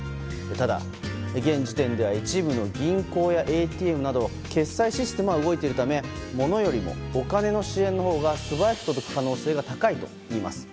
ただ、現時点では一部の銀行やＡＴＭなど決済システムは動いているため物よりもお金の支援のほうが素早く届く可能性が高いといいます。